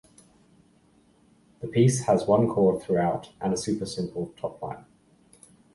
The piece has one chord throughout and a super-simple top line.